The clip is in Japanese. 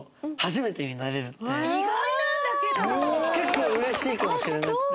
結構嬉しいかもしれなくて。